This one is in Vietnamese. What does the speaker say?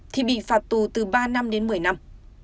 thì bị phạt tù từ ba năm đến một mươi năm